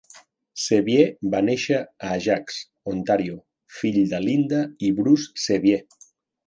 Sevier va néixer a Ajax, Ontario, fill de Lynda i Bruce Sevier.